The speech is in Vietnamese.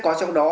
có trong đó